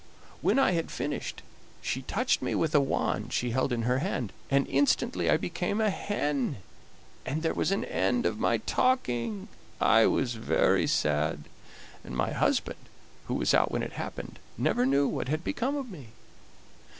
When I had finished she touched me with a wand she held in her hand, and instantly I became a hen, and there was an end of my talking! I was very sad, and my husband, who was out when it happened, never knew what had become of me.